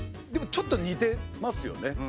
でもちょっと似てますよね。